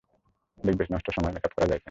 দেখব নষ্ট সময় মেক-আপ করা যায় কিনা।